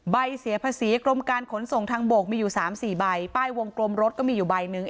ใบเสียภาษีกรมการขนส่งทางบกมีอยู่๓๔ใบป้ายวงกลมรถก็มีอยู่ใบหนึ่ง